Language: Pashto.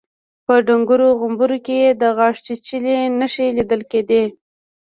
په ډنګرو غومبرو کې يې د غاښچيچي نښې ليدل کېدې.